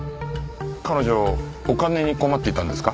彼女お金に困っていたんですか？